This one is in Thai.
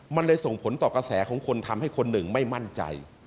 มันเลยส่งผลต่อกระแสของคนทำให้คนหนึ่งไม่มั่นใจ